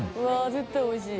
絶対おいしい。